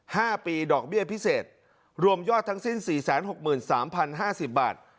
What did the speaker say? ห้าปีดอกเบี้ยพิเศษรวมยอดทั้งสิ้นสี่แสนหกหมื่นสามพันห้าสิบบาท